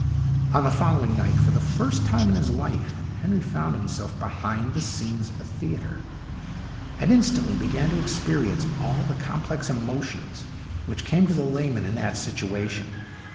On the following night, for the first time in his life, Henry found himself behind the scenes of a theatre, and instantly began to experience all the complex emotions which come to the layman in that situation.